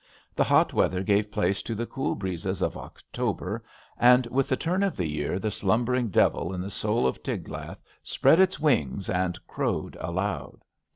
The hot weather gave place to the cool breezes of October, and mth the turn of the year the slumbering devil in 94 ABAFT THE FUNNEL the soul of Tiglath spread its wings and crowed aloud.